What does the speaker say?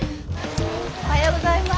おはようございます。